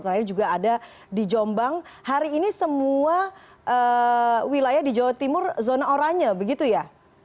terakhir juga ada di jombang hari ini semua wilayah di jawa timur zona oranye begitu ya